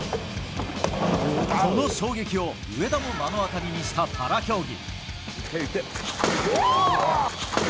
この衝撃を上田も目の当たりにしたパラ競技。